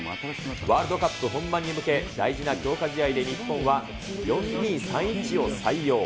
ワールドカップ本番に向け、大事な強化試合で日本は４ー２ー３ー１を採用。